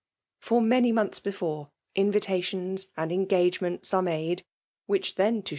For many months before, invitations and engagements are made, which then to.